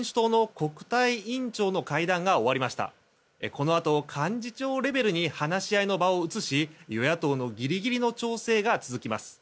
このあと幹事長レベルに話し合いの場を移し与野党のギリギリの調整が続きます。